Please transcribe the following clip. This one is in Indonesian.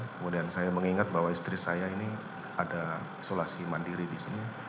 kemudian saya mengingat bahwa istri saya ini ada isolasi mandiri di sini